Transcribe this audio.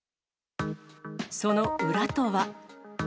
その裏とは。